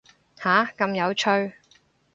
下，咁有趣